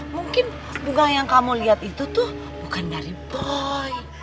mungkin bunga yang kamu lihat itu tuh bukan dari boy